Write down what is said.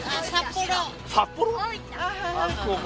札幌！？